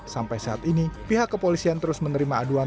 sampai saat ini pihak kepolisian terus menerima aduan